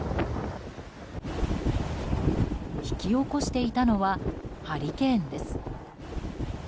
引き起こしていたのはハリケーンです。